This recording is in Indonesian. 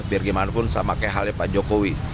biar gimana pun sama kayak halnya pak jokowi